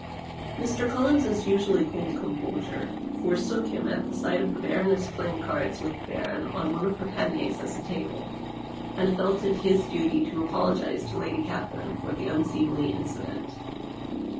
Mr. Collinss usually cold composure forsook him at the sight of the Baroness playing cards with the 42 LADY CATHERINE AND MR. COLLINS Baron on one of her paniers as a table, and felt it his duty to apologize to Lady Catherine for the unseemly incident.